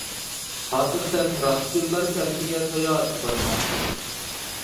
ھازىر سەن راستچىللار كەنتىگە ساياھەتكە بارماقچى.